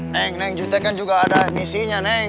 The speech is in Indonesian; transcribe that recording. neng neng jute kan juga ada misinya neng